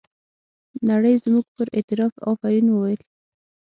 نړۍ زموږ پر اعتراف افرین وویل.